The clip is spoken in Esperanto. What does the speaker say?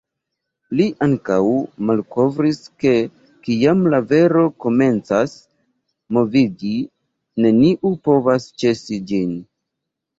Li ankaŭ malkovris ke kiam la vero komencas moviĝi neniu povas ĉesi ĝin.